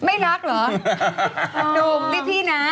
ก็ไปดูกันเพราะเราไม่เคยเห็นนะ